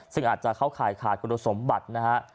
ซึ่งอาจจะเข้าข่ายขาดคุณสมบัตินะฮะ